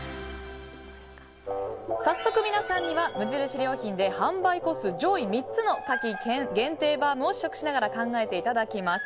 早速、皆さんには無印良品で販売個数上位３つの夏季限定バウムを試食しながら考えていただきます。